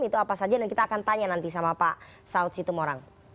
itu apa saja dan kita akan tanya nanti sama pak saud situmorang